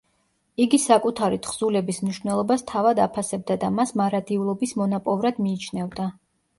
იგი საკუთარი თხზულების მნიშვნელობას თავად აფასებდა და მას „მარადიულობის მონაპოვრად“ მიიჩნევდა.